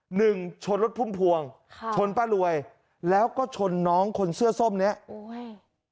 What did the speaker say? หนึ่งชนรถพุ่มพวงค่ะชนป้ารวยแล้วก็ชนน้องคนเสื้อส้มเนี้ยโอ้ย